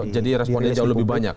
jadi respondennya jauh lebih banyak